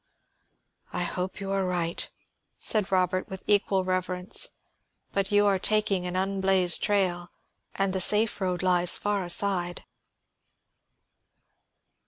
"I hope you are right," said Robert with equal reverence. "But you are taking an unblazed trail, and the safe road lies far aside."